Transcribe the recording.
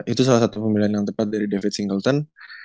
itu salah satu pemilihan yang tepat dari david singleton